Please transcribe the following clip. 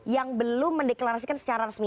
yang belum mendeklarasikan secara resmi